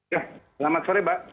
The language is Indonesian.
selamat sore mbak